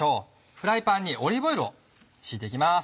フライパンにオリーブオイルを引いていきます。